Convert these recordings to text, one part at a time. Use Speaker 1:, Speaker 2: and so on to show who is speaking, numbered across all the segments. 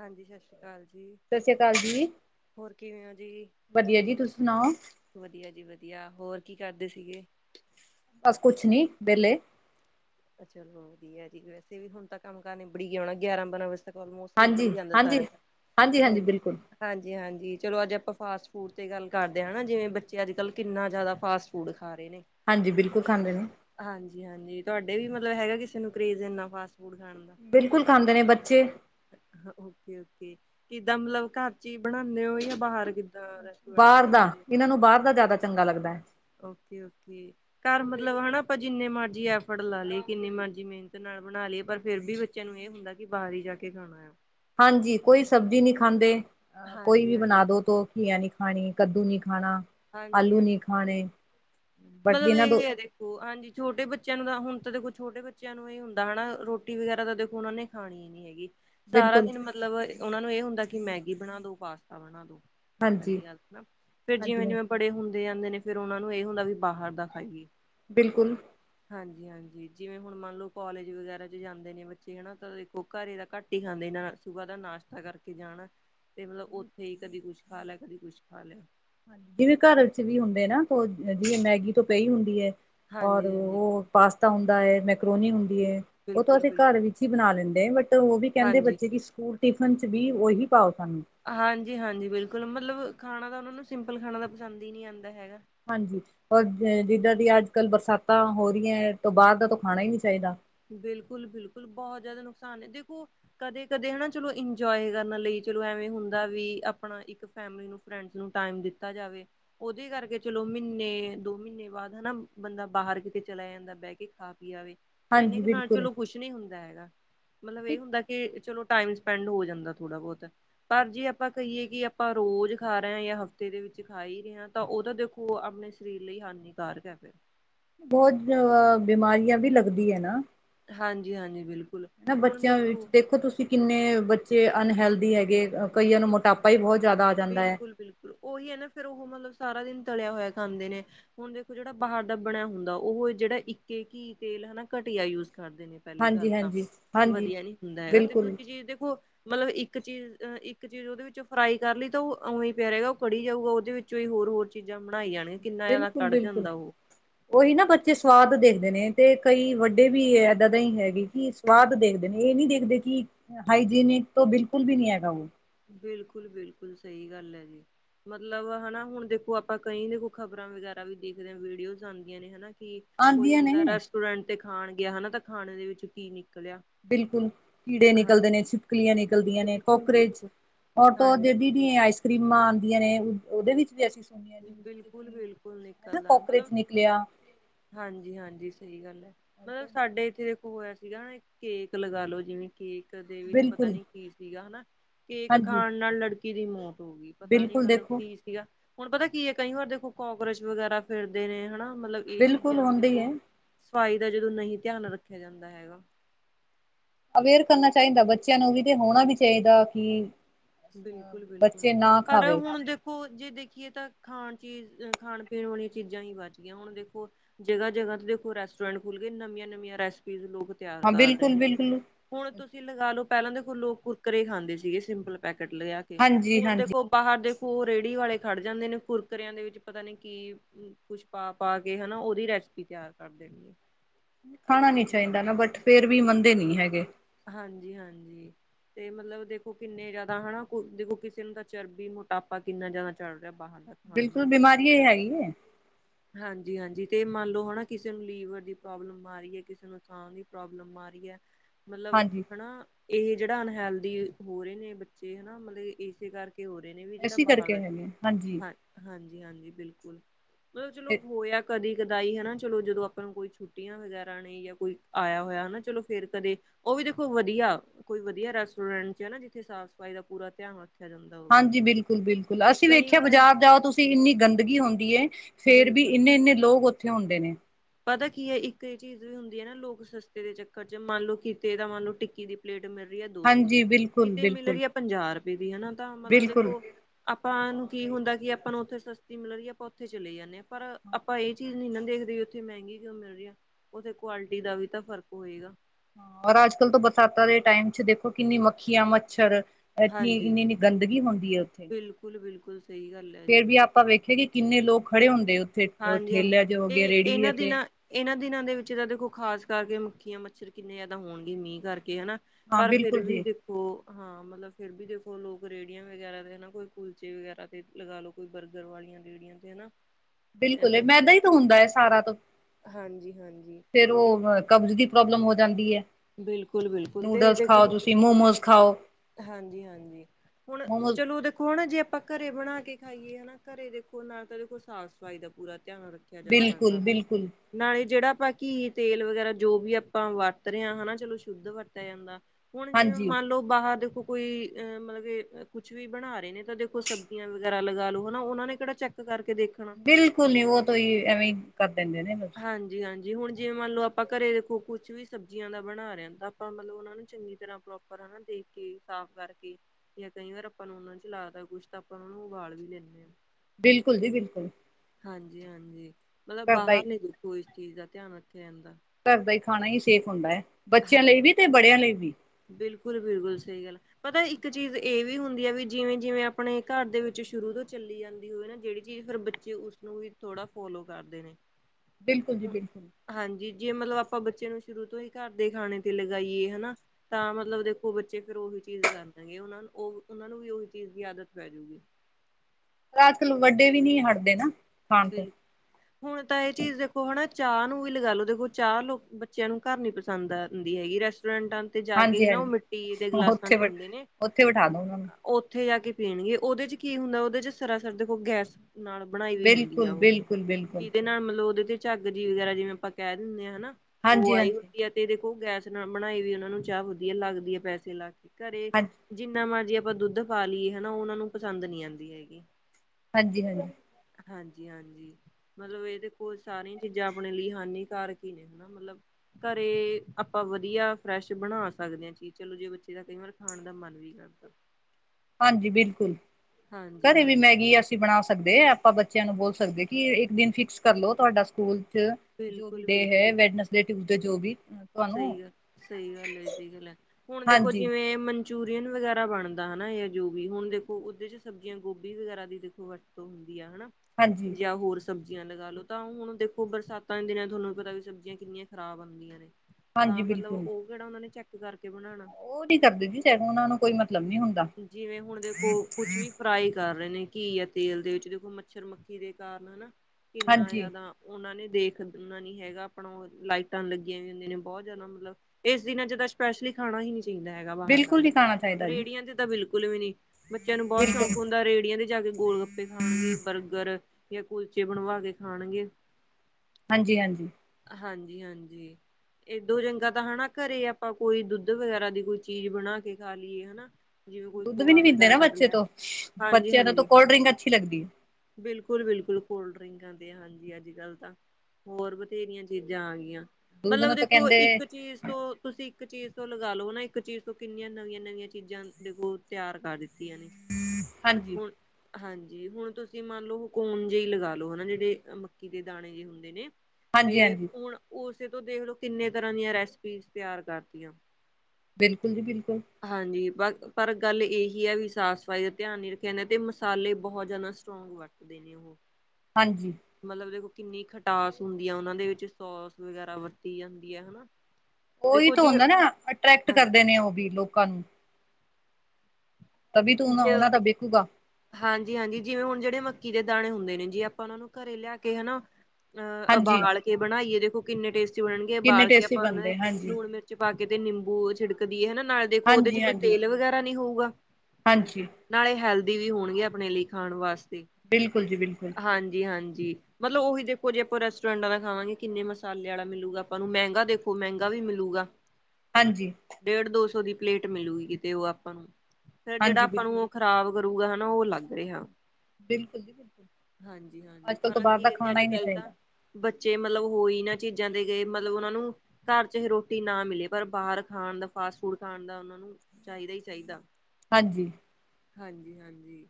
Speaker 1: ਹਾਂਜੀ ਸਤਿ ਸ਼੍ਰੀ ਅਕਾਲ
Speaker 2: ਸਤਿ ਸ਼੍ਰੀ ਅਕਾਲ ਜੀ।
Speaker 1: ਹੋਰ ਕਿਵੇਂ ਹੋ ਜੀ
Speaker 2: ਵਧੀਆ ਜੀ। ਤੁਸੀਂ ਸੁਣਾਓ?
Speaker 1: ਵਧੀਆ ਜੀ ਵਧੀਆ, ਹੋਰ ਕੀ ਕਰਦੇ ਸੀਗੇ?
Speaker 2: ਬਸ ਕੁਛ ਨੀ, ਵੇਲੇ।
Speaker 1: ਚਲੋ ਵਧੀਆ ਜੀ। ਵੈਸੇ ਵੀ ਹੁਣ ਤਾਂ ਕੰਮ ਕਾਰ ਨਿਬੜੀ ਗਿਆ ਹੋਣਾ, ਗਿਆਰਾਂ ਬਾਰਾਂ ਵਜੇ। ਤੱਕ ਆਲਮੋਸਟ ਨਿਬੜੀ
Speaker 2: ਹਾਂਜੀ-ਹਾਂਜੀ-ਹਾਂਜੀ-ਹਾਂਜੀ, ਬਿਲਕੁੱਲ।
Speaker 1: ਹਾਂਜੀ-ਹਾਂਜੀਚਲੋ ਅੱਜ ਆਪਾਂ ਫਾਸਟ ਫੂਡ ਤੇ ਗੱਲ ਕਰਦੇ ਹਾਂ ਨਾ, ਜਿਵੇਂ ਬੱਚੇ ਅੱਜ-ਕੱਲ੍ਹ ਕਿੰਨਾ ਜ਼ਿਆਦਾ ਫਾਸਟ ਫੂਡ ਖਾ ਰਹੇ ਨੇ-
Speaker 2: ਹਾਂਜੀ, ਬਿਲਕੁਲ ਖਾਂਦੇ ਨੇ।
Speaker 1: ਹਾਂਜੀ-ਹਾਂਜੀ। ਤੁਹਾਡੇ ਵੀ ਮਤਲਬ ਹੈਗਾ ਕਿਸੇ ਨੂੰ ਕਰੇਜ਼ ਇੰਨਾ ਫਾਸਟ ਫੂਡ ਖਾਣ ਦਾ?
Speaker 2: ਬਿਲਕੁੱਲ ਖਾਂਦੇ ਨੇ ਬੱਚੇ।
Speaker 1: ਓਕੇ-ਓਕੇ ਕਿੱਦਾਂ ਮਤਲਬ ਘਰ ਚ ਹੀ ਬਣਾਦੇ ਹੋ ਜਾਂ ਬਾਹਰ ਕਿੱਦਾਂ ਰੈਸਟੋਰੈਂਟ
Speaker 2: ਬਾਹਰ
Speaker 1: ਵਗੈਰਾ
Speaker 2: ਦਾ।
Speaker 1: ਤੇ
Speaker 2: ਇਹਨਾਂ ਨੂੰ ਬਾਹਰ ਦਾ ਜ਼ਿਆਦਾ ਚੰਗਾ ਲੱਗਦਾ।
Speaker 1: ਓਕੇ-ਓਕੇ। ਘੱਰ ਮਤਲਬ ਹਨਾ ਆਪਾਂ ਜਿੰਨੇ ਮਰਜ਼ੀ ਐਫਰਟ ਲਾ ਲਏ, ਕਿੰਨੀ ਮਰਜ਼ੀ ਮਿਹਨਤ ਨਾਲ ਬਣਾ ਲਇਏ, ਪਰ ਫੇਰ ਵੀ ਚੱਲੋ ਇਹ ਹੁੰਦਾ ਕਿ ਬਾਹਰ ਹੀ ਜਾ ਕੇ ਖਾਣਾ
Speaker 2: ਹਾਂਜੀ ਕੋਈ ਸਬਜ਼ੀ ਨਹੀਂ ਖਾਂਦੇ ਅ ਕੋਈ
Speaker 1: ਹਾਂਜੀ
Speaker 2: ਵੀ
Speaker 1: ਹਾਂਜੀ
Speaker 2: ਬਣਾ ਦੋ
Speaker 1: ਬਿਲਕੁਲ
Speaker 2: ਤੋਂ ਘੀਆਂ ਨੀ ਖਾਣੀ, ਕੱਦੂ ਨੀ ਖਾਣਾ,
Speaker 1: ਹਾਂਜੀ
Speaker 2: ਆਲੂ
Speaker 1: ਹਾਂ
Speaker 2: ਨੀ ਖਾਣੇ। ਬਟ
Speaker 1: ਮਤਲਬ
Speaker 2: ਇਹਨਾਂ
Speaker 1: ਇਹ
Speaker 2: ਤੋਂ
Speaker 1: ਹੈਦੇ ਉਹ ਹਾਂਜੀ, ਛੋਟੇ ਬੱਚਿਆਂ ਨੂੰ ਤਾਂ ਹੁਣ ਤਾਂ ਦੇਖੋ ਛੋਟੇ ਬੱਚਿਆਂ ਨੂੰ ਇਹ ਹੁੰਦਾ ਹਨਾ ਰੋਟੀ ਵਗੈਰਾ ਤਾਂ ਦੇਖੋ ਉਹਨਾ ਨੇ ਖਾਣੀ ਨੀ ਹੈਗੀ। ਸਾਰਾ
Speaker 2: ਬਿਲਕੁਲ
Speaker 1: ਦਿਨ ਮਤਲਬ ਉਹਨਾਂ ਨੂੰ ਇਹ ਹੁੰਦਾ ਕਿ ਮੈਗੀ ਬਣਾ ਦੋ, ਪਾਸਤਾ ਬਣਾ ਦੋ।
Speaker 2: ਹਾਂਜੀ
Speaker 1: ਪਹਿਲੀ ਗੱਲ ਨਾ, ਫਿਰ
Speaker 2: ਹਾਂਜੀ
Speaker 1: ਜਿਵੇਂ
Speaker 2: ਹਾਂਜੀ
Speaker 1: ਜਿਵੇਂ ਬੜੇ ਹੁੰਦੇ ਜਾਂਦੇ ਨੇ, ਫਿਰ ਉਹਨਾ ਨੂੰ ਇਹ ਹੁੰਦਾ ਵੀ ਬਾਹਰ ਦਾ ਖਾਈਏ।
Speaker 2: ਬਿਲਕੁੱਲ।
Speaker 1: ਹਾਂਜੀ-ਹਾਂਜੀ। ਜਿਵੇਂ ਹੁਣ ਮੰਨ ਲਓ ਕੋਲਜ ਵਗੈਰਾ ਜਾਂਦੇ ਨੇ ਬੱਚੇ ਹਨਾ। ਤਾਂ ਉਹ ਘੱਰੇ ਤਾਂ ਘੱਟ ਹੀ ਖਾਂਦੇ, ਇਹਨਾਂ ਸੁਬਹ ਦਾ ਨਾਸ਼ਤਾ ਕਰਕੇ ਜਾਣਾ ਤੇ ਮਤਲਬ ਉੱਥੇ ਹੀ ਕਦੀ ਕੁੱਛ ਖਾ ਲਿਆ, ਕਦੀ ਕੁੱਛ ਖਾ ਲਿਆ।
Speaker 2: ਹਾਂਜੀ, ਜਿਵੇਂ ਘੱਰ ਚ ਵੀ ਹੁੰਦੇ ਨਾ ਜਿਵੇਂ ਮੈਗੀ ਤੋਂ ਪਈ ਹੁੰਦੀ ਹੈ ਔਰ
Speaker 1: ਹਾਂਜੀ ਹਾਂਜੀ
Speaker 2: ਉਹ ਪਾਸਤਾ ਹੁੰਦਾ ਏ, ਮੈਕਰੋਨੀ ਹੁੰਦੀ ਏ, ਉਹ ਤਾਂ
Speaker 1: ਬਿਲਕੁਲ
Speaker 2: ਅਸੀਂ
Speaker 1: ਬਿਲਕੁਲ
Speaker 2: ਘੱਰ ਵਿੱਚ ਹੀ ਬਣਾ ਲੈਂਦੇ ਬ ਤੇ ਉਹ ਵੀ ਕਹਿੰਦੇ
Speaker 1: ਹਾਂਜੀ
Speaker 2: ਬੱਚੇ, ਕਿ ਸਕੂਲ ਟਿਫੱਨ ਚ ਵੀ ਉਹੀ ਪਾਓ ਸਾਨੂੰ।
Speaker 1: ਹਾਂਜੀ-ਹਾਂਜੀ ਬਿਲਕੁਲ। ਮਤਲਬ ਖਾਣਾ ਤਾਂ ਉਹਨਾਂ ਨੂੰ ਸਿੰਪਲ ਖਾਣਾ ਤਾਂ ਪਸੰਦ ਹੀ ਨਹੀਂ ਆਉਂਦਾ ਹੈਗਾ।
Speaker 2: ਹਾਂਜੀ ਔਰ ਜਿੱਦਾਂ ਦੀ ਅੱਜ ਕੱਲ੍ਹ ਬਰਸਾਤਾਂ ਹੋ ਰਹੀਆਂ ਹੈ, ਤਾਂ ਬਾਹਰ ਦਾ ਤਾਂ ਖਾਣਾ ਹੀ ਨਹੀਂ ਚਾਹੀਦਾ।
Speaker 1: ਬਿਲਕੁਲ-ਬਿਲਕੁਲ। ਬਹੁਤ ਜ਼ਿਆਦਾ ਨੁਕਸਾਨ ਹੈ। ਦੇਖੋ ਕਦੇ-ਕਦੇ ਹਨਾ ਚਲੋ ਇੰਜੋਏ ਕਰਨ ਲਈ, ਚਲੋ ਐਵੇਂ ਹੁੰਦਾ ਵੀ ਆਪਣਾ ਇੱਕ ਫੈਮਿਲੀ ਨੂੰ ਫਰੈਂਡਸ ਨੂੰ ਟਾਈਮ ਦਿੱਤਾ ਜਾਵੇ ਉਹਦੇ ਕਰਕੇ ਚਲੋ ਮਹੀਨੇ ਦੋ ਮਹੀਨੇ ਬਾਅਦ, ਹਨਾ ਬੰਦਾ ਬਾਹਰ ਕਿਤੇ ਚਲਾ ਜਾਂਦਾ। ਬਹਿ ਕੇ ਖਾ ਪੀ ਆਵੇ। ਇਹਨੇ
Speaker 2: ਹਾਂਜੀ
Speaker 1: ਕ ਨਾਲ
Speaker 2: ਬਿਲਕੁਲ
Speaker 1: ਚਲੋ ਕੁੱਛ ਨੀ ਹੁੰਦਾ ਹੈਗਾ। ਮਤਲਬ ਇਹ ਹੁੰਦਾ ਕਿ ਚੱਲੋ ਟਾਈਮ ਸਪੈਂਡ ਹੋ ਜਾਂਦਾ ਥੋੜਾ ਬਹੁਤ। ਪਰ ਜੇ ਆਪਾਂ ਕਹੀਏ ਕਿ ਆਪਾਂ ਰੋਜ਼ ਖਾ ਰਹੇ ਹਾਂ ਜਾਂ ਹਫ਼ਤੇ ਦੇ ਵਿੱਚ ਖਾ ਹੀ ਰਹੇ ਹਾਂ। ਤਾਂ ਉਹ ਤਾਂ ਦੇਖੋ ਆਪਣੇ ਸਰੀਰ ਲਈ ਹਾਨੀਕਾਰਕ ਹੈ ਫਿਰ
Speaker 2: ਬਹੁਤ ਬਿਮਾਰੀਆਂ ਵੀ ਲੱਗਦੀ ਹੈ ਨਾ।
Speaker 1: ਹਾਂਜੀ-ਹਾਂਜੀ। ਬਿਲਕੁਲ।
Speaker 2: ਹਨਾ, ਬੱਚਿਆਂ ਵਿੱਚ ਦੇਖੋ ਤੁਸੀਂ ਕਿ ਕਿੰਨੇ ਬੱਚੇ ਅਨਹੇਲਦੀ ਹੈਗੇ। ਕਈਆਂ ਨੂੰ ਮੋਟਾਪਾ ਹੀ ਬਹੁਤ ਜ਼ਿਆਦਾ ਜਾਂਦਾ ਹੈ
Speaker 1: ਬਿਲਕੁਲ ਬਿਲਕੁਲ ਉਹੀ ਹੈ ਨਾ ਫਿਰ ਉਹ ਮਤਲਬ ਸਾਰਾ ਦਿਨ ਤਲਿਆ ਹੋਇਆ ਖਾਂਦੇ ਨੇ ਹੁਣ ਦੇਖੋ ਜਿਹੜਾ ਬਾਹਰ ਦਾ ਬਣਿਆ ਹੁੰਦਾ ਉਹ ਜਿਹੜਾ ਇੱਕ ਘੀ ਤੇਲ ਹਨਾ ਘਟੀਆ ਯੂਜ ਕਰਦੇ ਨੇ ਪਹਿਲੀ ਗੱਲ
Speaker 2: ਹਾਂਜੀ
Speaker 1: ਤਾਂ,
Speaker 2: ਹਾਂਜੀ ਹਾਂਜੀ
Speaker 1: ਵਧੀਆ ਨੀ ਹੁੰਦਾ ਹੈਗਾ ਤੇ
Speaker 2: ਬਿਲਕੁਲ
Speaker 1: ਦੂਜੀ ਚੀਜ਼ ਦੇਖੋ ਮਤਲਬ ਇੱਕ ਚੀਜ਼ ਅ ਇੱਕ ਚੀਜ਼ ਉਹਦੇ ਵਿੱਚ ਫਰਾਈ ਕਰ ਲਈ ਤਾਂ ਉਹ ਉਵੇਂ ਹੀ ਪਿਆ ਰਹਾਂਗਾ ਉਹ ਕੜੀ ਜਾਊਗਾ ਉਹਦੇ ਵਿੱਚੋਂ ਹੀ ਹੋਰ- ਹੋਰ ਚੀਜ਼ਾਂ ਬਣਾਈ ਜਾਣ ਕਿੰਨਾ ਜਿਆਦਾ
Speaker 2: ਬਿਲਕੁਲ
Speaker 1: ਕੱਢ
Speaker 2: ਬਿਲਕੁਲ
Speaker 1: ਜਾਂਦਾ ਉਹ
Speaker 2: ਉਹੀ ਨਾ ਬੱਚੇ ਸਵਾਦ ਦੇਖਦੇ ਨੇ ਤੇ ਕਈ ਵੱਡੇ ਵੀ ਇਏਦਾਂ ਦਾ ਹੀ ਹੈਗੇ ਕਿ ਸਵਾਦ ਦੇਖਦੇ ਨੇ ਇਹ ਨੀ ਦੇਖਦੇ ਕਿ ਹਾਈਜੀਨਿਕ ਤੋਂ ਬਿਲਕੁਲ ਵੀ ਨੀ ਹੈਗਾ ਉਹ
Speaker 1: ਬਿਲਕੁਲ, ਬਿਲਕੁਲ ਸਹੀ ਗੱਲ ਹੈ ਜੀ ਮਤਲਬ ਹਨਾ ਹੁਣ ਦੇਖੋ ਆਪਾਂ ਕਈ ਕੋ ਖ਼ਬਰਾਂ ਵਗੈਰਾ ਵੀ ਦੇਖਦੇ ਹ ਵੀਡੀਓਜ਼ ਆਉਂਦੀਆਂ ਨੇ ਹਨਾ ਕਿ ਕੋਈ
Speaker 2: ਆਉਂਦੀਆਂ
Speaker 1: ਹੁੰਦਾ
Speaker 2: ਨੇ
Speaker 1: ਰੈਸਟੋਰੈਂਟ ਤੇ ਖਾਣ ਗਿਆ ਹਨਾ ਤਾਂ ਖਾਣੇ ਦੇ ਵਿੱਚ ਕੀ ਨਿਕਲਿਆ
Speaker 2: ਬਿਲਕੁਲ ਕੀੜੇ ਨਿਕਲਦੇ
Speaker 1: ਹਾਂਜੀ
Speaker 2: ਨੇ, ਛਿਪਕਲੀਆਂ ਨਿਕਲਦੀਆਂ ਨੇ,
Speaker 1: ਬਿਲਕੁਲ
Speaker 2: ਕੋਕਰੇਚ
Speaker 1: ਬਿਲਕੁਲ
Speaker 2: ਔਰ ਤੇ ਔਰ
Speaker 1: ਹਾਂਜੀ
Speaker 2: ਜਦੀ ਆਈਸ ਕਰ੍ਰੀਮਾਂ ਆਉਂਦੀਆਂ ਨੇ ਉਹਦੇ ਵਿੱਚ ਵੀ ਅਸੀਂ ਸੁਣੀਆਂ
Speaker 1: ਬਿਲਕੁਲ ਬਿਲਕੁਲ
Speaker 2: ਹਨਾ
Speaker 1: ਨਿਕਲਦਾ ਮਤਲਬ
Speaker 2: ਕਾਕਰੋਚ ਨਿਕਲਿਆ
Speaker 1: ਹਾਂਜੀ- ਹਾਂਜੀ ਸਹੀ ਗੱਲ ਹੈ, ਮਤਲਬ ਸਾਡੇ ਇੱਥੇ ਦੇਖੋ ਹੋਇਆ ਸੀਗਾ, ਕੇਕ ਲਗਾ ਲਓ ਜਿਵੇਂ ਕੇਕ ਦੇ ਵਿੱਚ ਪਤਾ
Speaker 2: ਬਿਲਕੁਲ
Speaker 1: ਨੀ ਕੀ ਸੀਗਾ ਹਨਾ, ਕੇਕ
Speaker 2: ਹਾਂਜੀ
Speaker 1: ਖਾਣ ਨਾਲ ਲੜਕੀ ਦੀ ਮੌਤ ਹੋ ਗਈ ਪਤਾ ਨੀ
Speaker 2: ਬਿਲਕੁਲ
Speaker 1: ਮਤਲਬ
Speaker 2: ਦੇਖੋ
Speaker 1: ਕੀ ਸੀਗਾ ਹੁਣ ਪਤਾ ਕੀ ਹੈ ਕਈ ਵਾਰ ਦੇਖੋ ਕਾਕਰੋਚ ਵਗੈਰਾ ਫਿਰਦੇ ਨੇ ਹਨਾ ਮਤਲਬ ਇਹ
Speaker 2: ਬਿਲਕੁਲ
Speaker 1: ਚੀਜ਼ਾਂ ਵੀ
Speaker 2: ਆਉਂਦੀ
Speaker 1: ਦੇਖੋ
Speaker 2: ਹੈ
Speaker 1: ਸਫਾਈ ਦਾ ਜਦੋਂ ਨਹੀਂ ਧਿਆਨ ਰੱਖਿਆ ਜਾਂਦਾ ਹੈਗਾ
Speaker 2: ਅਵੇਅਰ ਕਰਨਾ ਚਾਹੀਦਾ ਬੱਚਿਆਂ ਨੂੰ ਵੀ, ਤੇ ਹੋਣਾ ਵੀ ਚਾਹੀਦਾ ਕਿ
Speaker 1: ਬਿਲਕੁਲ, ਬਿਲਕੁਲ
Speaker 2: ਬੱਚੇ ਨਾ
Speaker 1: ਪਰ
Speaker 2: ਖਾਵੇ
Speaker 1: ਹੁਣ ਦੇ ਹੋਰ ਜੇ ਦੇਖੀਏ ਤਾਂ ਖਾਣ ਚੀਜ਼ ਅ ਖਾਣ ਪੀਣ ਵਾਲੀਆਂ ਚੀਜ਼ਾਂ ਹੀ ਬਚ ਗਈਆਂ ਹੁਣ ਦੇਖੋ ਜਗ੍ਹਾ ਜਗ੍ਹਾ ਤੇ ਦੇਖੋ ਰੈਸਟੋਰੈਂਟ ਖੁੱਲ ਗਏ ਨਵੀਆਂ- ਨਵੀਆਂ ਰੈਸਪੀਜ਼ ਲੋਕ ਤਿਆਰ
Speaker 2: ਹਾਂ
Speaker 1: ਕਰ ਰਹੇ ਨੇ,
Speaker 2: ਬਿਲਕੁਲ-ਬਿਲਕੁਲ
Speaker 1: ਹੁਣ ਤੁਸੀਂ ਲਗਾ ਲਓ ਪਹਿਲਾਂ ਦੇਖੋ ਲੋਕ ਕੁੁਰਕਰੇ ਖਾਂਦੇ ਸੀਗੇ ਸਿੰਪਲ ਪੈਕੇਟ ਲਿਆ ਕੇ, ਹੁਣ
Speaker 2: ਹਾਂਜੀ-ਹਾਂਜੀ
Speaker 1: ਦੇਖੋ ਬਾਹਰ ਦੇਖੋ ਰੇਹੜੀ ਵਾਲੇ ਖੜ ਜਾਂਦੇ ਨੇ ਕੁਰਕਰਿਆਂ ਦੇ ਵਿੱਚ ਪਤਾ ਨੀ ਕੀ ਕੁਛ ਪਾ- ਪਾ ਕੇ ਹਨਾ ਉਹਦੀ ਰੈਸਪੀ ਤਿਆਰ ਕਰ ਦੇਣੀ ਹੈ
Speaker 2: ਖਾਣਾ ਨਹੀ ਚਾਹੀਦਾ ਨਾ ਬਟ ਫੇਰ ਵੀ ਮੰਨਦੇ ਨਹੀਂ ਹੈਗੇ
Speaker 1: ਹਾਂਜੀ- ਹਾਂਜੀ ਤੇ ਮਤਲਬ ਦੇਖੋ ਕਿੰਨੇ ਜ਼ਿਆਦਾ ਹਨਾ ਦੇਖੋ ਕਿਸੇ ਨੂੰ ਤਾਂ ਚਰਬੀ ਮੋਟਾਪਾ ਕਿੰਨਾ ਜ਼ਿਆਦਾ ਚੜ ਰਿਹਾ ਬਾਹਰ ਦਾ ਖਾਣ ਨਾਲ
Speaker 2: ਬਿਲਕੁਲ ਬਿਮਾਰੀ ਹੀ ਹੈਗੀ
Speaker 1: ਹਾਂਜੀ ਹਾਂਜੀ ਤੇ ਮੰਨ ਲਓ ਹ ਨਾ ਕਿਸੇ ਨੂੰ ਲੀਵਰ ਦੀ ਪ੍ਰੋਬਲਮ ਆ ਰਹੀ ਹੈ ਕਿਸੇ ਨੂੰ ਸਾਂਹ ਦੀ ਪ੍ਰੋਬਲਮ ਆ ਰਹੀ ਹੈ ਮਤਲਬ
Speaker 2: ਹਾਂਜੀ
Speaker 1: ਹਨਾ ਇਹ ਜਿਹੜਾ ਅਨਹੈਲਦੀ ਹੋ ਰਹੇ ਨੇ ਬੱਚੇ ਹਨਾ ਮਤਲਬ ਇਸੇ ਕਰਕੇ ਹੋ ਰਹੇ ਨੇ ਵੀ ਜਿਹੜਾ
Speaker 2: ਇਸੀ ਕਰਕੇ
Speaker 1: ਬਾਹਰ
Speaker 2: ਹੈਗੇ ਹਾਂਜੀ
Speaker 1: ਹਾਂ ਹਾਂਜੀ- ਹਾਂਜੀ ਬਿਲਕੁਲ ਮਤਲਬ ਚਲੋ ਹੋਇਆ ਕਦੀ ਕਦਾਈ ਹਨਾ, ਚਲੋ ਜਦੋਂ ਆ ਆਪਾਂ ਨੂੰ ਕੋਈ ਛੁੱਟੀਆਂ ਵਗੈਰਾ ਨੇ, ਜਾਂ ਕੋਈ ਆਇਆ ਹੋਇਆ ਹਨਾ ਚਲੋ ਫੇਰ ਕਦੇ, ਉਹ ਵੀ ਦੇਖੋ ਵਧੀਆ ਕੋਈ ਵਧੀਆ ਰੈਸਟੋਰੈਂਟ ਚ ਹਨਾ, ਜਿੱਥੇ ਸਾਫ਼ ਸਫਾਈ ਦਾ ਪੂਰਾ ਧਿਆਨ ਰੱਖ
Speaker 2: ਹਾਂਜੀ ਬਿਲਕੁਲ- ਬਿਲਕੁਲ, ਅਸੀਂ
Speaker 1: ਕਈ
Speaker 2: ਵੇਖਿਆ
Speaker 1: ਵਾਰ
Speaker 2: ਬਾਜ਼ਾਰ ਜਾਓ ਤੁਸੀਂ, ਇੰਨੀ ਗੰਦਗੀ ਹੁੰਦੀ ਐ। ਫੇਰ ਵੀ
Speaker 1: ਬਿਲਕੁਲ
Speaker 2: ਇੰਨੇ- ਇੰਨੇ ਲੋਕ ਉੱਥੇ ਹੁੰਦੇ ਨੇ
Speaker 1: ਪਤਾ ਕੀ ਹੈ ਇੱਕ ਇਹ ਚੀਜ਼ ਵੀ ਹੁੰਦੀ ਹੈ ਨਾ, ਲੋਕ ਸਸਤੇ ਦੇ ਚੱਕਰ ਚ ਮੰਨ ਲਓ, ਕਿਤੇ ਤਾਂ ਮੰਨ ਲਓ ਟਿੱਕੀ ਦੀ ਪਲੇਟ ਮਿਲ ਰਹੀ ਐ ਦੋ ਸੌ
Speaker 2: ਹਾਂਜੀ
Speaker 1: ਦੀ, ਕਿਤੇ ਮਿਲ
Speaker 2: ਬਿਲਕੁਲ-ਬਿਲਕੁਲ
Speaker 1: ਰਹੀ ਹੈ ਪੰਜਾਹ ਰੁਪਏ ਦੀ, ਹਨਾ ਤਾਂ ਮਤਲਬ
Speaker 2: ਬਿਲਕੁਲ ਬਿਲਕੁਲ।
Speaker 1: ਦੇਖੋ ਆਪਾਂ ਨੂੰ ਕੀ ਹੁੰਦਾ ਕਿ ਆਪਾਂ ਨੂੰ ਉੱਥੇ ਸਸਤੀ ਮਿਲ ਰਹੀ ਆ, ਆਪਾਂ ਉੱਥੇ ਚਲੇ ਜਾਂਦੇ ਆਂ, ਪਰ ਆਪਾਂ ਇਹ ਚੀਜ਼ ਨੀ ਨਾ ਦੇਖਦੇ, ਵੀ ਉੱਥੇ ਮਹਿੰਗੀ ਕਿਉਂ ਮਿਲ ਰਹੀ ਐ, ਉੱਥੇ ਕੁਆਲਿਟੀ ਦਾ ਵੀ ਤਾਂ ਫ਼ਰਕ ਹੋਏਗਾ।
Speaker 2: ਹਾਂ, ਔਰ ਅੱਜ- ਕੱਲ੍ਹ ਤਾਂ ਬਰਸਾਤਾਂ ਦੇ ਟਾਈਮ ਚ ਦੇਖੋ ਕਿੰਨੀ ਮੱਖੀਆਂ, ਮੱਛਰ ਇੰਨੀ-
Speaker 1: ਹਾਂਜੀ
Speaker 2: ਇੰਨੀ- ਇੰਨੀ ਗੰਦਗੀ ਹੁੰਦੀ ਐ ਉੱਥੇ।
Speaker 1: ਬਿਲਕੁਲ- ਬਿਲਕੁਲ ਸਹੀ ਗੱਲ ਐ।
Speaker 2: ਫੇਰ ਵੀ ਆਪਾਂ ਵੇਖਿਆ, ਕਿ ਕਿੰਨੇ ਲੋਕ ਖੜੇ ਹੁੰਦੇ ਉੱਥੇ,
Speaker 1: ਹਾਂਜੀ-ਹਾਂਜੀ
Speaker 2: ਠੇਲੇ ਜੋ ਹੋ
Speaker 1: ਤੇ
Speaker 2: ਗਏ, ਰੇਹੜੀ ਦੇ
Speaker 1: ਇਹਨਾਂ
Speaker 2: ਉੱਤੇ।
Speaker 1: ਦਿਨਾਂ ਇਹਨਾਂ ਦਿਨਾਂ ਦੇ ਵਿੱਚ ਤਾਂ ਦੇਖੋ, ਖਾਸ ਕਰਕੇ ਮੱਖੀਆਂ- ਮੱਛਰ ਕਿੰਨੇ ਜ਼ਿਆਦਾ ਹੋਣਗੇ, ਮੀਂਹ ਕਰਕੇ ਹਨਾ।
Speaker 2: ਹਾਂ
Speaker 1: ਪਰ ਫਿਰ
Speaker 2: ਬਿਲਕੁਲ
Speaker 1: ਵੀ
Speaker 2: ਜੀ
Speaker 1: ਦੇ ਹੋ ਹਾਂ, ਮਤਲਬ ਫੇਰ ਵੀ ਦੇਖੋ, ਲੋਕ ਰੇਹੜੀਆਂ- ਵਗੈਰਾ ਦੇ ਹਨਾ, ਕੋਈ ਕੁਲਚੇ-ਵਗੈਰਾ ਤੇ ਲਗਾ ਲੋ, ਕੋਈ ਬਰਗਰ ਵਾਲੀਆਂ ਰੇਹੜੀਆਂ ਤੇ ਨਾ।
Speaker 2: ਬਿਲਕੁਲ, ਮੈਦਾ ਈ ਤਾਂ ਹੁੰਦਾ ਸਾਰਾ ਤਾ।
Speaker 1: ਹਾਂਜੀ-ਹਾਂਜੀ
Speaker 2: ਫਿਰ ਉਹ
Speaker 1: ਬਿਲਕੁਲ-ਬਿਲਕੁਲ
Speaker 2: ਕਬਜ਼ ਦੀ ਪ੍ਰੌਬਲਮ ਹੋ ਜਾਂਦੀ ਐ,
Speaker 1: ਤੇ ਬਿਲਕੁਲ ਬਿਲਕੁਲ
Speaker 2: ਨੂਡਲਜ਼ ਖਾਓ ਤੁਸੀ। ਮੋਮੋਜ਼ ਖਾਓ।
Speaker 1: ਹਾਂਜੀ- ਹਾਂਜੀ, ਹੁਣ
Speaker 2: ਮੋਮੋਸ
Speaker 1: ਚਲੋ ਓਹਦੇ ਕੋਲ਼ ਨਾ ਜੇ ਆਪਾਂ ਘਰੇ ਬਣਾ ਕੇ ਖਾਈਏ ਹਨਾ, ਘਰੇ ਦੇਖੋ ਨਾਲੇ ਤਾਂ ਦੇਖੋ ਸਾਫ਼ ਸਫ਼ਾਈ ਦਾ ਪੂਰਾ ਧਿਆਨ ਰੱਖ ਕਿਹਾ ਜਾ ਸਕਦਾ।
Speaker 2: ਬਿਲਕੁਲ ਬਿਲਕੁਲ
Speaker 1: ਨਾਲੇ ਜਿਹੜਾ ਆਪਾਂ ਘੀ, ਤੇਲ ਵਗੈਰਾ ਜੋ ਵੀ ਆਪਾਂ ਵਰਤ ਰਹੇ ਹਾਂ, ਹਨਾ ਚਲੋ ਸ਼ੁੱਧ ਵਰਤਿਆ ਜਾ ਜਾਂਦਾ ਹੁਣ ਜਿਵੇਂ
Speaker 2: ਹਾਂਜੀ
Speaker 1: ਮੰਨ ਲਓ, ਬਾਹਰ ਦੇਖੋ ਕੋਈ ਮਤਲਬ ਕਿ ਕੁਛ ਵੀ ਬਣਾ ਰਹੇ ਨੇ, ਤਾਂ ਦੇਖੋ ਸਬਜ਼ੀਆਂ ਵਗੈਰਾ ਵਗੈਰਾ ਲਗਾ ਲੋ ਨਾ, ਉਹਨਾਂ ਨੇ ਕਿਹੜਾ ਚੈੱਕ ਕਰਕੇ ਦੇਖ
Speaker 2: ਬਿਲਕੁਲ ਨੀ, ਉਹ ਤੋਂ ਹੀ ਐਵੇਂ ਹੀ ਕਰ ਦਿੰਦੇ ਨੇ। ਬਸ
Speaker 1: ਹਾਂਜੀ- ਹਾਂਜੀ, ਹੁਣ ਜਿਵੇਂ ਮੰਨ ਲਓ, ਆਪਾਂ ਘਰੇ ਦੇਖੋ ਕੁਛ ਵੀ ਸਬਜ਼ੀਆਂ ਦਾ ਬਣਾ ਰਹੇ ਹਾਂ, ਤਾਂ ਆਪਾਂ ਮਤਲਬ ਉਹਨਾਂ ਨੂੰ ਚੰਗੀ ਤਰ੍ਹਾਂ ਪ੍ਰੋਪਰ ਹਨਾ ਦੇਖ ਕੇ, ਸਾਫ਼ ਕਰਕੇ ਯਾ ਕਈ ਵਾਰ ਆਪਾਂ ਨੂੰ ਉਹਨਾ 'ਚ ਲਾਤਾਂ ਕੁਛ, ਤਾਂ ਆਪਾਂ ਉਹਨਾਂ ਨੂੰ ਉਬਾਲ ਵੀ ਲੈਂਦੇ ਹਾਂ।
Speaker 2: ਬਿਲਕੁਲ ਜੀ, ਬਿਲਕੁਲ।
Speaker 1: ਹਾਂਜੀ- ਹਾਂਜੀ। ਮਤਲਬ
Speaker 2: ਘਰ ਦਾ ਹੀ
Speaker 1: ਬਾਹਰ ਨੀ, ਦੇਖੋ ਇਸ ਚੀਜ਼ ਦਾ ਧਿਆਨ ਰੱਖਿਆ ਜਾਂਦਾ।
Speaker 2: ਘਰ ਦਾ ਹੀ ਖਾਣਾ ਹੀ ਸੇਫ ਹੁੰਦਾ ਹੈ, ਬੱਚਿਆਂ ਲਈ ਵੀ ਤੇ ਵੜਿਆ ਲਈ ਵੀ।
Speaker 1: ਬਿਲਕੁਲ, ਬਿਲਕੁਲ ਸਹੀ ਗੱਲ। ਪਤਾ, ਇੱਕ ਚੀਜ਼ ਇਹ ਵੀ ਹੁੰਦੀ ਆ, ਵੀ ਜਿਵੇਂ -ਜਿਵੇਂ ਆਪਣੇ ਘਰ ਦੇ ਵਿੱਚ ਸ਼ੁਰੂ ਤੋਂ ਚੱਲੀ ਜਾਂਦੀ ਹੋਵੇ ਨਾ, ਜਿਹੜੀ ਇਹ ਫਿਰ ਬੱਚੇ ਉਸਨੂੰ ਵੀ ਥੋੜਾ ਫੋਲੋ ਕਰਦੇ ਨੇ।
Speaker 2: ਬਿਲਕੁਲ ਜੀ, ਬਿਲਕੁਲ।
Speaker 1: ਹਾਂਜੀ, ਜੇ ਮਤਲਬ ਆਪਾਂ ਬੱਚੇ ਨੂੰ ਸ਼ੁਰੂ ਤੋਂ ਹੀ ਘਰ ਦੇ ਖਾਣੇ 'ਤੇ ਲਗਾਈਏ, ਹਨਾ। ਤਾਂ ਮਤਲਬ ਦੇਖੋ, ਬੱਚੇ ਫਿਰ ਉਹੀ ਚੀਜ਼ ਕਰਨਗੇ। ਉਹਨਾ ਨੂੰ ਉਹ ਉਹਨਾਂ ਨੂੰ ਵੀ ਉਹੀ ਚੀਜ਼ ਦੀ ਆਦਤ ਪੈ ਜੂਗੀ।
Speaker 2: ਅੱਜ- ਕੱਲ ਵੱਡੇ ਵੀ ਨਹੀਂ ਹਟਦੇ ਨਾ। ਖਾਣ ਤੋਂ
Speaker 1: ਬਿਲਕੁਲ ਹੁਣ ਤਾਂ ਇਹ ਚੀਜ਼ ਦੇਖੋ, ਹਨਾ। ਚਾਹ ਨੂੰ ਵੀ ਲਗਾਲੋ। ਦੇਖੋ, ਚਾਹ ਲੋਕ ਬੱਚਿਆਂ ਨੂੰ ਘਰ ਨੀ ਪਸੰਦ ਆਉਂਦੀ ਹੈਗੀ। ਰੈਸ ਟੈਂਟਾਂ ਤੇ ਜਾ ਕੇ,
Speaker 2: ਹਾਂਜੀ
Speaker 1: ਹਨਾ ਉਹ
Speaker 2: ਹਾਂਜੀ
Speaker 1: ਮਿੱਟੀ ਦੇ ਗਲਾਸਾਂ
Speaker 2: ਉੱਥੇ
Speaker 1: ਚ
Speaker 2: ਬ
Speaker 1: ਹੁੰਦੇ ਨੇ।
Speaker 2: ਉੱਥੇ ਬਿਠਾ ਦੋ ਉਹਨਾਂ ਨੂੰ
Speaker 1: ਉੱਥੇ ਜਾ ਕੇ ਪੀਣਗੇ, ਉਹਦੇ ਚ ਕੀ ਹੁੰਦਾ, ਉਹਦੇ ਚ ਸਰਾਸਰ ਦੇਖੋ, ਗੈਸ ਨਾਲ ਬਣਾਈ ਵੀ ਹੁੰਦੀ। ਐ
Speaker 2: ਬਿਲਕੁਲ
Speaker 1: ਉਹੋ,
Speaker 2: ਬਿਲਕੁਲ ਬਿਲਕੁਲ
Speaker 1: ਜਿਹਦੇ ਨਾਲ ਮਤਲਬ ਉਹਦੇ ਤੇ ਝੱਗ ਜੀ ਵਗੈਰਾ, ਜਿਵੇਂ ਆਪਾਂ ਕਹਿ ਦਿੰਨੇ ਆ ਹਨਾ, ਉਹ
Speaker 2: ਹਾਂਜੀ
Speaker 1: ਆਈ
Speaker 2: ਹਾਂਜੀ
Speaker 1: ਕੀ ਐ ਤੇ ਦੇਖੋ, ਗੈਸ ਨਾਲ ਬਣਾਈ ਹੋਈ ਵੀ ਉਨ੍ਹਾਂ ਨੂੰ ਚਾਹ ਵਧੀਆ ਲਗਦੀ ਐ, ਪੈਸੇ ਲਾ ਕੇ। ਘਰੇ
Speaker 2: ਹਾਂਜੀ
Speaker 1: ਜਿੰਨਾ ਮਰਜ਼ੀ ਆਪਾਂ ਦੁੱਧ ਪਾ ਲੀਏ ਹਨਾ, ਉਹਨਾਂ ਨੂੰ ਪਸੰਦ ਨਹੀਂ ਆਂਦੀ ਹੈਗੀ।
Speaker 2: ਹਾਂਜੀ- ਹਾਂਜੀ।
Speaker 1: ਹਾਂਜੀ -ਹਾਂਜੀ। ਮਤਲਬ ਇਹਦੇ ਕੋਲ ਸਾਰੀਆਂ ਚੀਜ਼ਾਂ ਆਪਣੇ ਲਈ ਹਾਨੀਕਾਰਕ ਹੀ ਨੇ, ਹਨਾ? ਮਤਲਬ ਘਰੇ ਆਪਾਂ ਵਧੀਆ ਫਰੈਸ਼ ਬਣਾ ਸਕਦੇ ਹਾਂ ਜੀ। ਚਲੋ ਜੇ ਬੱਚੇ ਦਾ ਕਈ ਵਾਰ ਖਾਣ ਦਾ ਮਨ ਜੀ, ਕਰਦਾ।
Speaker 2: ਹਾਂਜੀ, ਬਿਲਕੁਲ।
Speaker 1: ਹਾਂਜੀ
Speaker 2: ਘਰੇ ਵੀ
Speaker 1: ਹਾਂਜੀ
Speaker 2: ਮੈਗੀ ਆ। ਬਣਾ ਸਕਦੇ ਆ, ਆਪਾਂ ਬੱਚਿਆਂ ਨੂੰ ਬੋਲ ਸਕਦੇ ਕਿ ਇੱਕ ਦਿਨ ਫਿਕਸ ਕਰਲੋ, ਤੁਹਾਡਾ ਸਕੂਲ ਚ ਜੋ ਵੀ
Speaker 1: ਬਿਲਕੁਲ
Speaker 2: ਡੇ ਹੈ
Speaker 1: ਬਿਲਕੁਲ
Speaker 2: ਵੈਡਨਸ ਡੇ, ਟਿਊਸਡੇ, ਜੋ ਵੀ। ਤੁਹਾਨੂੰ
Speaker 1: ਸਹੀ ਗੱਲ, ਸਹੀ ਗੱਲ,, ਸਹੀ ਗੱਲ ਹੈ। ਹੁਣ ਦੇਖੋ,
Speaker 2: ਹਾਂਜੀ
Speaker 1: ਜਿਵੇਂ ਮਚੂਰੀਅਨ ਵਗੈਰਾ ਬਣਦਾ ਹਨਾ। ਇਹ ਜੋ ਵੀ ਹੁਣ ਦੇਖੋ, ਉਹਦੇ' 'ਚ ਸਬਜ਼ੀਆਂ ਗੋਭੀ ਵਗੈਰਾ ਦੀ ਦੇਖੋ। ਹੁੰਦੀ ਆ, ਹਨਾ।
Speaker 2: ਹਾਂਜੀ।
Speaker 1: ਜਾਂ ਹੋਰ ਸਬਜ਼ੀਆਂ ਲਗਾ ਲੋ। ਤਾਂ ਹੁਣ ਦੇਖੋ, ਬਰਸਾਤਾਂ ਦੇ ਦਿਨਾਂ 'ਚ ਤੁਹਾਨੂੰ ਪਤਾ ਵੀ ਸਬਜ਼ੀਆਂ ਕਿੰਨੀਆਂ ਖਰਾਬ ਆਉਦੀਆਂ ਨੇ।
Speaker 2: ਹਾਂਜੀ
Speaker 1: ਤਾਂ ਮਤਲਬ
Speaker 2: ਬਿਲਕੁਲ
Speaker 1: ਉਹ ਕਿਹੜਾ, ਉਹਨਾਂ ਨੇ ਚੈੱਕ ਕਰਕੇ ਬਣਾਉਣਾ।
Speaker 2: ਉਹ ਨੀ ਕਰਦੇ ਕਿਸੇ ਨੂੰ, ਉਹਨਾਂ ਨੂੰ ਕੋਈ ਮਤਲਬ ਨੀ ਹੁੰਦਾ।
Speaker 1: ਜਿਵੇਂ ਹੁਣ ਦੇਖੋ, ਕੁਛ ਵੀ ਫਰਾਈ ਕਰ ਰਹੇ ਨੇ। ਕੀ ਹੈ ਤੇਲ ਦੇ ਵਿਚ, ਦੇਖੋ ਮੱਛਰ ਮੱਖੀ ਦੇ ਕਾਰਨ ਹਨਾ ਕਿੰਨਾ
Speaker 2: ਹਾਂਜੀ
Speaker 1: ਜ਼ਾਦਾ ਉਹਨਾਂ ਨੇ ਦੇਖਨਾ ਨੀ ਹੈਗਾ ਆਪਣਾ ਲਾਈਟਾਂ ਲੱਗੀਆਂ ਹੋਈਆਂ ਹੁੰਦੀਆਂ ਨੇ ਬਹੁਤ ਜਿਆਦਾ, ਮਤਲਬ ਇਸ ਦਿਨਾਂ ਚ ਤਾਂ ਸਪੈਸ਼ਲੀ ਖਾਣਾ ਹੀ ਨਹੀ ਚਹੀਦਾ ਹੈਗਾ ਬਾਹਰ ਦਾ,
Speaker 2: ਬਿਲਕੁਲ ਨਹੀਂ ਖਾਣਾ ਚਾਹੀਦਾ ਜੀ
Speaker 1: ਰੇਹੜੀਆਂ ਦੇ ਤਾਂ ਬਿਲਕੁਲ ਵੀ ਨੀ, ਬੱਚਿਆਂ ਨੂੰ ਬਹੁਤ
Speaker 2: ਬਿਲਕੁਲ
Speaker 1: ਸ਼ੌਂਕ ਹੁੰਦਾ ਰੇੜੀਆਂ ਤੇ ਜਾ ਕੇ ਗੋਲ ਗੱਪ ਗੱਪੇ ਖਾਣਗੇ, ਬਰਗਰ ਜਾਂ ਕੁਲਚੇ ਬਣਵਾ ਕੇ ਖਾਣਗੇ।
Speaker 2: ਹਾਂਜੀ- ਹਾਂਜੀ।
Speaker 1: ਹਾਂਜੀ- ਹਾਂਜੀ। ਏਦੂੰ ਚੰਗਾ ਤਾਂ ਹਨਾ, ਘਰੇਂ ਆਪਾਂ ਕੋਈ ਦੁੱਧ ਵਗੈਰਾ ਦੀ ਕੋਈ ਚੀਜ਼ ਬਣਾ ਕੇ ਖਾ ਲੀਏ ਹਨਾ। ਜਿਵੇਂ ਕੋਈ
Speaker 2: ਦੁੱਧ ਵੀ
Speaker 1: ਖੋਆ
Speaker 2: ਨੀ ਪੀਂਦੇ
Speaker 1: ਵਗੈਰਾ
Speaker 2: ਨਾ
Speaker 1: ਕੱਢ
Speaker 2: ਬੱਚੇ
Speaker 1: ਲਿਆ,
Speaker 2: ਤੋਂ
Speaker 1: ਹਾਂਜੀ-
Speaker 2: ਬੱਚਿਆਂ ਨੂੰ ਤਾਂ
Speaker 1: ਹਾਂਜੀ।
Speaker 2: ਕੋਲਡ ਡਰਿੰਕ ਅੱਛੀ ਲੱਗਦੀ ਹੈ
Speaker 1: ਬਿਲਕੁਲ- ਬਿਲਕੁਲ, ਕੋਲਡ ਡਰਿੰਕ ਆਂਦੇ ਆ, ਹਾਂਜੀ ਅੱਜ- ਕੱਲ੍ਹ ਤਾਂ ਹੋਰ ਬਥੇਰੀਆਂ ਚੀਜ਼ਾਂ ਆ ਗਈਆਂ,
Speaker 2: ਦੁੱਧ
Speaker 1: ਮਤਲਬ
Speaker 2: ਨੂੰ ਤਾਂ
Speaker 1: ਦੇਖੋ
Speaker 2: ਕਹਿੰਦੇ
Speaker 1: ਇਕ ਚੀਜ਼ ਤੋਂ ਤੁਸੀ ਇਕ ਚੀਜ ਤੋਂ ਲਗਾ ਲੋ ਨਾ, ਇਕ ਚੀਜ ਤੋਂ ਕਿੰਨੀਆਂ ਨਵੀਆਂ ਨਵੀਆਂ ਚੀਜ਼ਾਂ ਦੇ ਕੋਲ ਤਿਆਰ ਕਰ ਦਿੱਤੀਆਂ ਨੇ।
Speaker 2: ਹਾਂਜੀ।
Speaker 1: ਹੁਣ ਹਾਂਜੀ, ਹੁਣ ਤੁਸੀ ਮੰਨ ਲਓ ਕੋਨ ਜਿਹੀ ਲਗਾ ਲਓ, ਹਨਾ ਜਿਹੜੇ ਮੱਕੀ ਦੇ ਦਾਣੇ ਜਿਹੇ ਹੁੰਦੇ ਨੇ ਤੇ,
Speaker 2: ਹਾਂਜੀ ਹਾਂਜੀ
Speaker 1: ਹੁਣ ਉਸੇ ਤੋ ਦੇਖਲੋ ਕਿਨੇ ਤਰ੍ਹਾ ਦੀਆਂ ਰੈਸਪੀਜ਼ ਤਿਆਰ ਕਰਤੀਆਂ।
Speaker 2: ਬਿਲਕੁਲ ਜੀ, ਬਿਲਕੁਲ।
Speaker 1: ਹਾਂਜੀ, ਬਸ ਫਰਕ ਗੱਲ ਇਹੀ ਹੈ, ਵੀ ਸਾਫ਼-ਸਫ਼ਾਈ ਦਾ ਧਿਆਨ ਨਹੀ ਰੱਖਿਆ ਜਾਂਦੇ, ਤੇ ਇਹਨਾਂ ਦੇ ਮਸਾਲੇ ਬਹੁਤ ਜ਼ਿਆਦਾ ਸਟਰੋਂਗ ਕੱਟਦੇ ਨੇ ਉਹ
Speaker 2: ਹਾਂਜੀ।
Speaker 1: ਮਤਲਬ ਦੇਖੋ, ਕਿੰਨੀ ਖਟਾਸ ਹੁਦੀ ਆ ਉਹਨਾਂ ਦੇ ਵਿਚ, ਸੌਸ ਵਗੈਰਾ ਵਰਤੀ ਜਾਂਦੀ ਆ, ਹਨਾ
Speaker 2: ਉਹੀ
Speaker 1: ਦੇਖੋ
Speaker 2: ਤੋ
Speaker 1: ਜੇ
Speaker 2: ਹੁੰਦਾ ਨਾ, ਅਟ੍ਰੈਕਟ
Speaker 1: ਹਾਂ
Speaker 2: ਕਰਦੇ ਨੇ ਉਹ ਵੀ, ਲੋਕਾਂ ਨੂੰ। ਤਬੀ ਤੋ ਓ,
Speaker 1: ਜੇ
Speaker 2: ਉਹਨਾਂ ਦਾ ਬੀਕੂਗਾ।
Speaker 1: ਹਾਂਜੀ-ਹਾਂਜੀ, ਜਿਵੇ ਹੁਣ ਜਿਹੜੇ ਮੱਕੀ ਦੇ ਦਾਣੇ ਹੁੰਦੇ ਨੇ ਜੀ, ਆਪਾਂ ਉਹਨਾਂ ਨੂੰ ਘਰੇ ਲਿਆਕੇ ਹਨਾ ਅਹ
Speaker 2: ਹਾਂਜੀ
Speaker 1: ਅਬਾਲ ਕੇ ਬਣਾਈਏ ਦੇਖੋ ਕਿੰਨੇ ਟੇਸਟੀ ਬਣਨਗੇ,
Speaker 2: ਕਿੰਨੇ
Speaker 1: ਉਬਾਲਕੇ
Speaker 2: ਟੇਸਟੀ
Speaker 1: ਆਪਾਂ ਉਹ
Speaker 2: ਬਣਦੇ ਹਾਂਜੀ
Speaker 1: ਲੂਣ, ਮਿਰਚ 'ਚ ਪਾਕੇ ਤੇ ਨਿਬੂ ਛਿੜਕਦੀਏ ਹਨਾ, ਨਾਲੇ ਦੇਖੋ ਉਹਦੇ 'ਚ
Speaker 2: ਹਾਂਜੀ
Speaker 1: ਕੋਈ
Speaker 2: ਹਾਂਜੀ
Speaker 1: ਤੇਲ ਵਗੈਰਾ ਨੀ ਹੋਊਗਾ
Speaker 2: ਹਾਂਜੀ।
Speaker 1: ਨਾਲੇ ਹੈਲਦੀ ਵੀ ਹੋਣਗੇ ਆਪਣੇ ਲਈ ਖਾਣ ਵਾਸਤੇ।
Speaker 2: ਬਿਲਕੁਲ ਜੀ, ਬਿਲਕੁਲ।
Speaker 1: ਹਾਂਜੀ-ਹਾਂਜੀ। ਮਤਲਬ ਉਹੀ ਦੇਖੋ, ਜੇ ਆਪਾ ਰੈਸਟੋਰੈਂਟਾਂ ਆਲਾ ਖਾਵਾਂਗੇ ਕਿੰਨੇ ਮਸਾਲੇ ਵਾਲਾ ਮਿਲੂਗਾ ਆਪਾ ਨੂੰ, ਮਹਿੰਗਾ ਦੇਖੋ ਮਹਿੰਗਾ ਵੀ ਮਿਲੂਗਾ। [inaudible]
Speaker 2: ਹਾਂਜੀ।
Speaker 1: ਡੇਢ, ਦੋ-ਸੌ ਦੀ ਪਲੇਟ ਮਿਲੂਗੀ, ਕੀਤੇ ਉਹ ਆਪਾਂ ਨੂੰ। ਫਿਰ ਜਿਹੜਾ
Speaker 2: ਹਾਂਜੀ
Speaker 1: ਆਪਾਂ ਨੂੰ
Speaker 2: ਬਿਲਕੁਲ
Speaker 1: ਉਹ ਖ਼ਰਾਬ ਕਰੂਗਾ ਹਨਾ, ਉਹ ਅਲੱਗ ਰਿਹਾ।
Speaker 2: ਬਿਲਕੁਲ ਜੀ ਬਿਲਕੁਲ
Speaker 1: ਹਾਂਜੀ-ਹਾਂਜੀ,
Speaker 2: ਅੱਜ ਕੱਲ
Speaker 1: ਪਰ
Speaker 2: ਤੋਂ ਬਾਹਰ
Speaker 1: ਕੀ
Speaker 2: ਦਾ
Speaker 1: ਕਰੀਏ
Speaker 2: ਖਾਣਾ ਹੀ ਨਹੀਂ
Speaker 1: ਅਜ-ਕਲ ਦਾ
Speaker 2: ਚਾਹੀਦਾ
Speaker 1: ਬੱਚੇ ਮਤਲਬ ਹੋਈ ਇਹਨਾਂ ਚੀਜ਼ਾਂ ਦੇ ਗਏ, ਮਤਲਬ ਉਹਨਾਂ ਨੂੰ ਘਰ ਚਾਹੇ ਰੋਟੀ ਨਾ ਮਿਲੇ, ਪਰ ਬਾਹਰ ਖਾਣ ਦਾ ਫਾਸਟ-ਫੂਡ ਖਾਣ ਦਾ ਉਹਨਾਂ ਨੂੰ, ਚਾਹੀਦਾ ਹੀ ਚਾਹੀਦਾ।
Speaker 2: ਹਾਂਜੀ‌।
Speaker 1: ਹਾਂਜੀ-ਹਾਂਜੀ।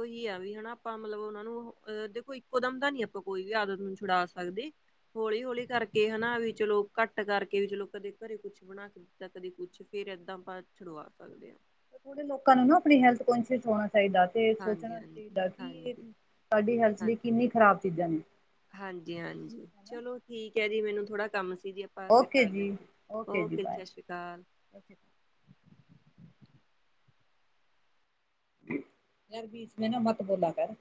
Speaker 1: ਉਹੀ ਆ ਵੀ ਹਨਾ, ਆਪਾ ਮਤਲਬ ਉਹਨਾਂ ਨੂੰ ਅ ਦੇਖੋ, ਇੱਕੋਦਮ ਤਾ ਨੀ ਆਪਾ ਕੋਈ ਵੀ ਆਦਤ ਨੂੰ ਛੁਡਾ ਸਕਦੇ ਹੋਲੀ-ਹੋਲੀ ਕਰਕੇ ਹਨਾ ਵੀ ਚਲੋ ਘੱਟ ਕਰਕੇ ਵੀ, ਚਲੋ ਕਦੇ ਘਰੇ ਕੁਛ ਬਣਾਕੇ ਤਾ ਕਦੀ ਕੁੱਛ ਫਿਰ ਏਦਾਂ ਆਪਾ ਛੁਡਵਾ ਸਕਦੇ ਹਾਂ।
Speaker 2: ਕੁਝ ਲੋਕਾਂ ਨੂੰ ਨਾ ਆਪਣੀ ਹੈਲਥ ਕੌਸ਼ੀਅਸ ਹੋਣਾ ਚਾਹੀਦਾ। ਤੇ ਸੋਚਣਾ
Speaker 1: ਹਾਂਜੀ-ਹਾਂਜੀ,
Speaker 2: ਚਾਹੀਦਾ ਕਿ,
Speaker 1: ਹਾਂਜੀ, ਹਾਂਜੀ
Speaker 2: ਸਾਡੀ ਹੈਲਥ
Speaker 1: ਹਾਂ
Speaker 2: ਲਈ ਕਿੰਨੀ ਖਰਾਬ ਚੀਜਾ ਨੇ।
Speaker 1: ਹਾਂਜੀ-ਹਾਂਜੀ, ਚਲੋ ਠੀਕ ਹੈ ਜੀ, ਮੈਨੂੰ ਥੋੜਾ ਕੰਮ ਸੀ, ਜ ਬਸ ਇਹਦਾ
Speaker 2: ਓਕੇ
Speaker 1: ਕਰਦੇ ਆਂ, ਓਕੇ, ਸਤਿ ਸ਼੍ਰੀ ਅਕਾਲ।
Speaker 2: ਸਤ ਸ਼੍ਰੀਕਾਲ ਯਾਰ, ਬੀਚ ਮੇਂ ਨਾ ਮਤ ਬੋਲਾ ਕਰ।